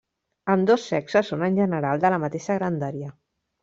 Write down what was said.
Ambdós sexes són en general de la mateixa grandària.